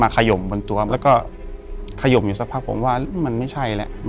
ขยมบนตัวแล้วก็ขยมอยู่สักพักผมว่ามันไม่ใช่แล้ว